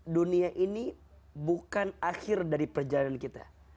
dunia ini bukan akhir dari perjalanan kita